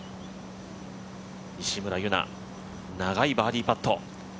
西村優菜、長いバーディーパット。